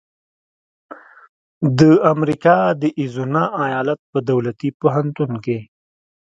د امریکا د اریزونا ایالت په دولتي پوهنتون کې